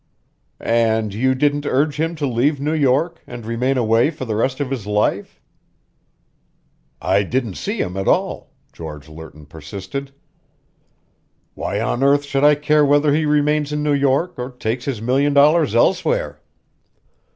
"And you didn't urge him to leave New York and remain away for the rest of his life?" "I didn't see him at all," George Lerton persisted. "Why on earth should I care whether he remains in New York or takes his million dollars elsewhere?"